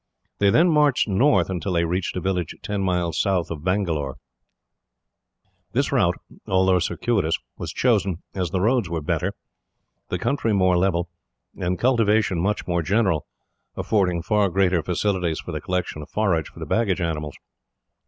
They then marched north, until they reached a village ten miles south of Bangalore. This route, although circuitous, was chosen, as the roads were better, the country more level, and cultivation much more general, affording far greater facilities for the collection of forage for the baggage animals.